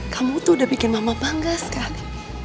kamu tuh udah bikin mama bangga sekali